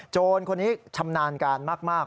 โจรคนนี้ชำนาญการมาก